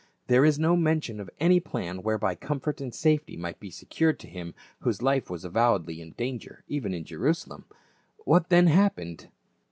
There is no mention of any plan whereby comfort and safety might be secured to him whose life was avowedly in danger even in Jerusalem. What then happened